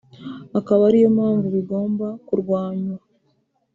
akaba ari yo mpamvu bigomba kurwanywa